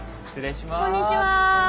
こんにちは。